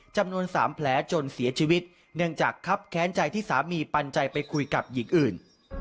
จำนวน๓แผลจนเสียชีวิตเนื่องจากครับแค้นใจที่สามีปันใจไปคุยกับหญิงอื่น